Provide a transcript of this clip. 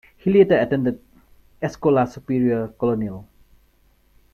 He later attended Escola Superior Colonial.